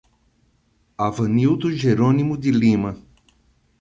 Avanildo Jeronimo de Lima